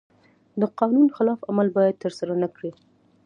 د قانون خلاف عمل باید ترسره نکړي.